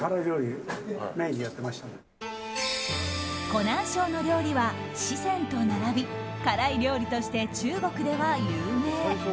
湖南省の料理は四川と並び辛い料理として中国では有名。